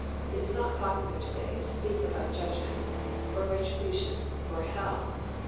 It is not popular to day to speak about judgment, or retribution, or hell.